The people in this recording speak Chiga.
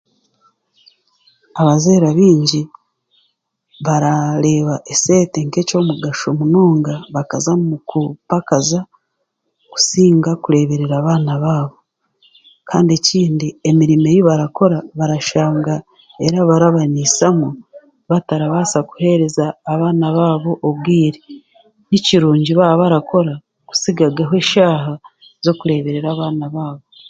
Abazaire abaingi baraareeba esente nk'eky'omugasho munonga bakaza kupakaza kusinga kureeberera abaana baabo, kandi ekindi emirimo ei barakora barashanga erabarabaniisamu batarabaasa kuheereza abaana baabo obwire, ni kirungi baabarakora kusigagaho eshaaha z'okureeberera abaana baabo